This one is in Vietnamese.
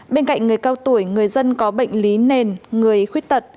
bên cạnh người cao tuổi người dân có bệnh lý nền người khuyết tật